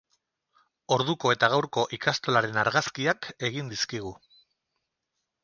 Orduko eta gaurko ikastolaren argazkiak egin dizkigu.